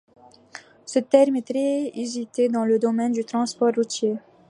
Ce terme est très usité dans le domaine du transport routier.